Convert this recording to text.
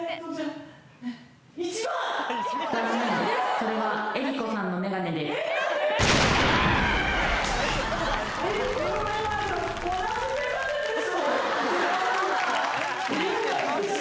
それは江里子さんの眼鏡です。